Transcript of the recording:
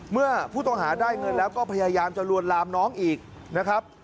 เมื่อผู้ต้องหาได้เงินแล้วก็พยายามจะลวนลามน้องอีกนะครับ